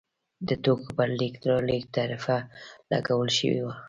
د توکو پر لېږد رالېږد تعرفه لګول شوې وه.